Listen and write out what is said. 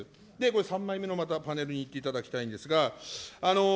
３枚目もまたパネルにいっていただきたいんですが。